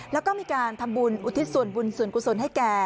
แล้วก็มีการทำบุญอุทิศส่วนบุญส่วนกุศลให้แก่